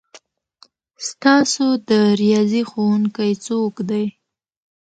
ستاسو د ریاضي ښؤونکی څوک دی؟